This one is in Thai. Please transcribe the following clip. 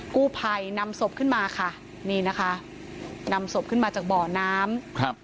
กู้ภัยนำศพขึ้นมาค่ะนี่นะคะนำศพขึ้นมาจากบ่อน้ำครับ